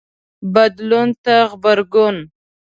بدلون ته غبرګون